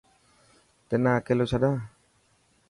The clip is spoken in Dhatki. تنا اڪليو ڇڏان؟